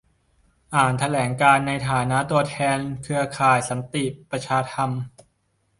อ่านแถลงการณ์ในฐานะตัวแทนเครือข่ายสันติประชาธรรม